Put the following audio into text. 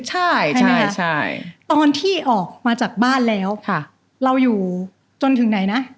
ใช่ตอนที่ออกมาจากบ้านแล้วเราอยู่จนถึงไหนนะ